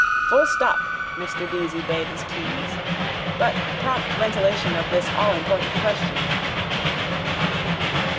—Full stop, Mr Deasy bade his keys. _But prompt ventilation of this allimportant question...